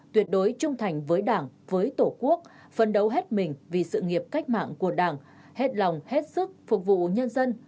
tuyệt đối trung thành với đảng với tổ quốc phân đấu hết mình vì sự nghiệp cách mạng của đảng hết lòng hết sức phục vụ nhân dân